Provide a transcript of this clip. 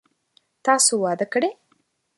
تاسو واده کړئ ؟